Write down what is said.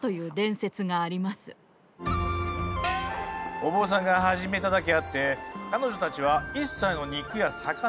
お坊さんが始めただけあって彼女たちは一切の肉や魚を断っている。